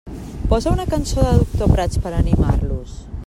Posa una cançó de Doctor Prats per animar-los.